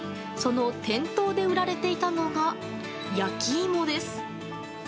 その店頭で売られていたのが焼き芋です。